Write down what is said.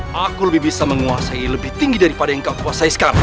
hai aku lebih bisa menguasai lebih tinggi daripada yang kau kuasai sekarang